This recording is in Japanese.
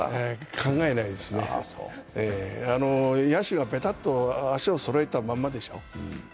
考えないですね、野手がペタッと足をそろえたまんまでしょ。